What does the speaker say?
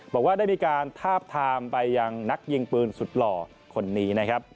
บอกว่าได้มีการทาบทามไปยังนักยิงปืนสุดหล่อคนนี้นะครับ